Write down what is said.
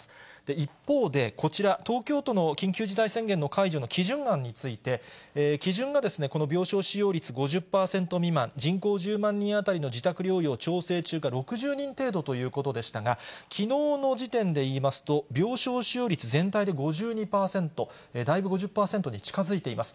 一方で、こちら、東京都の緊急事態宣言の解除の基準案について、基準がこの病床使用率５０％未満、人口１０万人当たりの自宅療養調整中が６０人程度ということでしたが、きのうの時点でいいますと、病床使用率、全体で５２％、だいぶ５０％に近づいています。